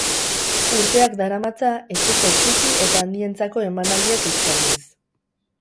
Urteak daramatza etxeko txiki eta handientzako emanaldiak eskainiz.